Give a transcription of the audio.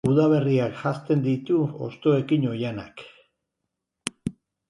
Udaberriak janzten ditu hostoekin oihanak.